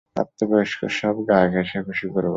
প্রাপ্তবয়স্ক, সব গা ঘেঁষাঘেঁষি করে বসে।